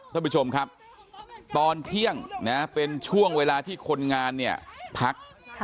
ท่านผู้ชมครับตอนเที่ยงนะเป็นช่วงเวลาที่คนงานเนี่ยพัก